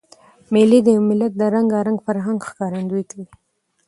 مېلې د یو ملت د رنګارنګ فرهنګ ښکارندویي کوي.